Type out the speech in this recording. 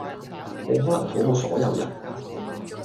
無可能討好所有人